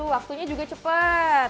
waktunya juga cepat